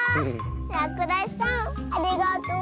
らくだしさんありがとう。